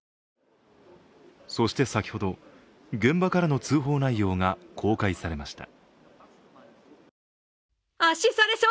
そして先ほど、現場からの通報内容が公開されました。